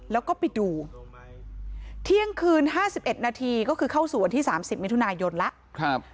แล้วก็ไปดูเที่ยงคืน๕๑นาทีก็คือเข้าสู่วันที่๓๐มิถุนายนแล้ว